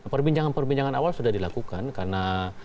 perbincangan perbincangan awal sudah dilakukan karena